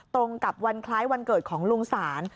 ตรงกับวันคล้ายวันเกิดของลุงศาล